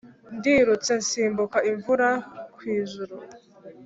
ndirutse nsimbuka imvura kw’ijuru,